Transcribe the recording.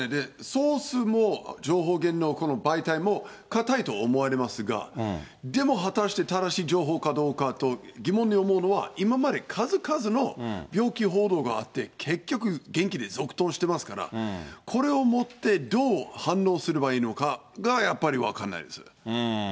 ソースも、情報源のこの媒体もかたいと思われますが、でも果たして正しい情報かどうかと疑問に思うのは、今まで数々の病気報道があって、結局、元気で続投してますから、これをもって、どう反応すればいいのかが、やっぱり分かんないです。